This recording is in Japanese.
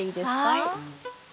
はい。